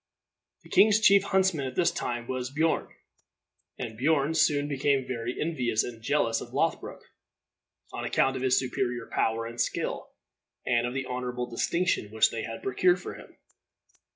The king's chief huntsman at this time was Beorn, and Beorn soon became very envious and jealous of Lothbroc, on account of his superior power and skill, and of the honorable distinction which they procured for him.